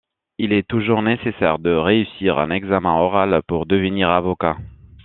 Il est toujours nécessaire de réussir un examen oral pour devenir avocat.